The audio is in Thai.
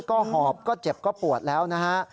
ก็หอบก็เจ็บก็ปวดแล้วนะฮะ